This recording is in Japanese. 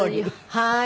はい。